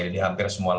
jadi hampir semua lawan